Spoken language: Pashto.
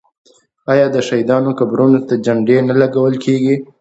آیا د شهیدانو قبرونو ته جنډې نه لګول کیږي؟